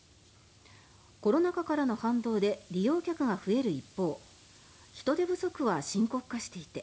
コロナ禍からの反動で利用客が増える一方人手不足は深刻化していて